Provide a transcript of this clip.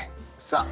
さあ。